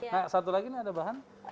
nah satu lagi ini ada bahan